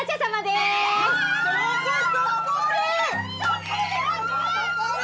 すごい！